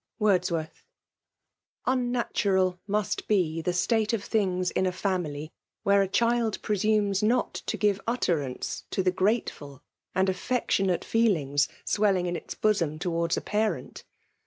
WORDSWOHTH. TTnnatural must be the state of things in a &mily, where a child presumes not to give utterance to the grateftil and affectionate fcel ^ ings swelling in its bosom towards a parent.